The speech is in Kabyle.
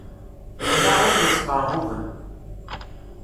Lmaεun yesqerbuben.